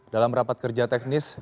dalam rapat kerja teknis